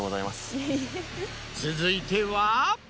続いては。